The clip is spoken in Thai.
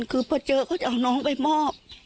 คือพอเจอเขาจะเอาน้องไปมอบ